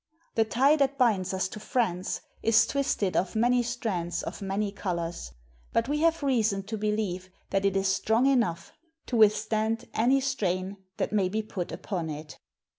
The tie that binds us to France is twisted of many strands of many colors, but we have reason to believe that it is strong enough to withstand any strain that may be put upon it.